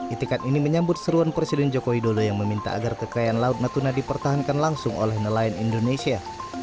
itikat ini menyambut seruan presiden joko widodo yang meminta agar kekayaan laut natuna dipertahankan langsung oleh nelayan indonesia